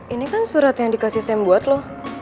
ini kan surat yang dikasih sam buat lo